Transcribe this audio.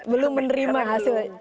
belum menerima hasilnya